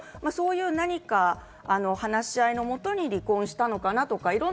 何か話し合いのもとに離婚したのかなとか。